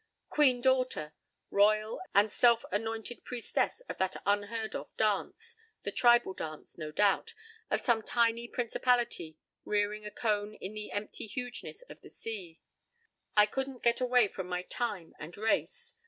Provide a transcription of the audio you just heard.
"Queen Daughter!" Royal and self anointed priestess of that unheard of dance, the tribal dance, no doubt, of some tiny principality rearing a cone in the empty hugeness of the sea.—I couldn't get away from my time and race.